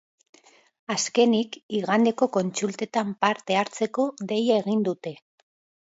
Azkenik, igandeko kontsultetan parte hartzeko deia egin dute.